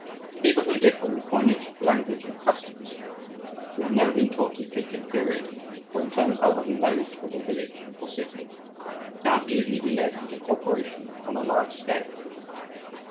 People who differ in coinage, language, and customs, who have never been taught to "think imperially" or in terms other than those of the village or city, cannot easily be led into coöperation on a large scale.